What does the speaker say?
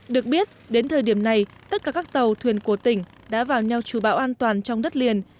được biết đến thời điểm này tất cả các tàu thuyền của tỉnh đã vào neo trù bão an toàn trong đất liền